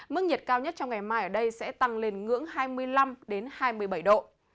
mức nhiệt cao nhất trong ngày mai ở đây sẽ tăng lên ngưỡng hai mươi năm hai mươi bảy độ